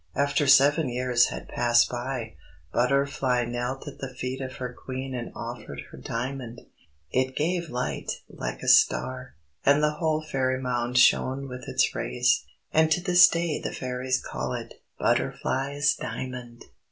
After seven years had passed by, Butterfly knelt at the feet of her Queen and offered her diamond. It gave light like a star, and the whole Fairy Mound shone with its rays. And to this day the Fairies call it "Butterfly's Diamond."